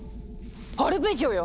アルペジオよ！